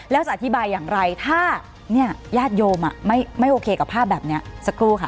แล้วจะอธิบายอย่างไรถ้าญาติโยมไม่โอเคกับภาพแบบนี้สักครู่ค่ะ